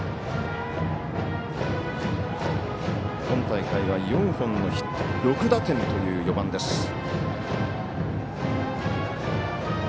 今大会は４本のヒット６打点という４番です。